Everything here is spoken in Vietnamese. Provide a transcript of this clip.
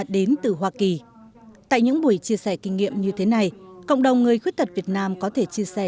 đến từ hoa kỳ tại những buổi chia sẻ kinh nghiệm như thế này cộng đồng người khuyết tật việt nam có thể chia sẻ